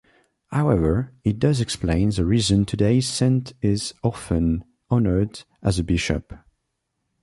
However, it does explain the reason today's saint is often honored as a bishop.